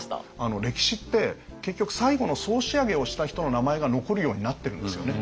歴史って結局最後の総仕上げをした人の名前が残るようになってるんですよね。